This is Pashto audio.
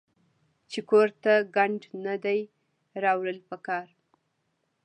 چې کور ته ګند نۀ دي راوړل پکار